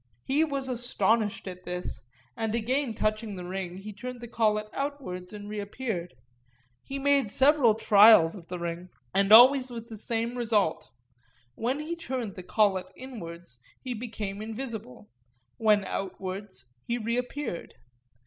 He was astonished at this, and again touching the ring he turned the collet outwards and reappeared; he made several trials of the ring, and always with the same result—when he turned the collet inwards he became invisible, when outwards he reappeared.